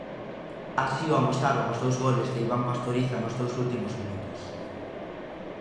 Así o amosaron os dous goles de Iván Pastoriza nos dous últimos minutos.